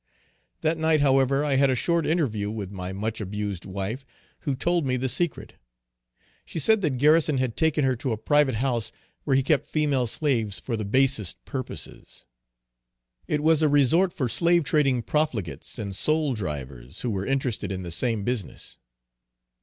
That night, however, I had a short interview with my much abused wife, who told me the secret. She said that Garrison had taken her to a private house where he kept female slaves for the basest purposes. It was a resort for slave trading profligates and soul drivers, who were interested in the same business.